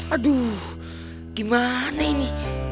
aduh gimana ini